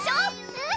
うん！